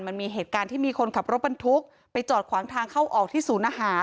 มันมีเหตุการณ์ที่มีคนขับรถบรรทุกไปจอดขวางทางเข้าออกที่ศูนย์อาหาร